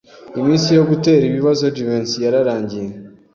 Iminsi yo gutera ibibazo Jivency yararangiye.